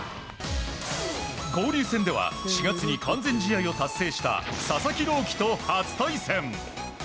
交流戦では４月に完全試合を達成した佐々木朗希と初対戦。